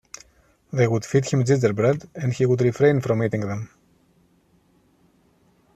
They would feed him gingerbread and he would refrain from eating them.